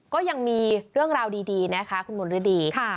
ก็ยังมีเรื่องราวดีนะคะคุณมนฤดี